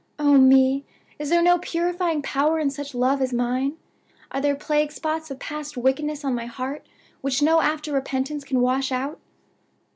Oh me! is there no purifying power in such love as mine? Are there plague spots of past wickedness on my heart which no after repentance can wash out?